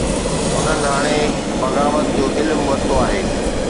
هنن هاڻي بغاوت جو علم ورتو آهي.